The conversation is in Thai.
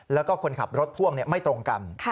แล้วก็คนขับรถพ่วงไม่ตรงกัน